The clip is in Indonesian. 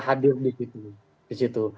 hadir di situ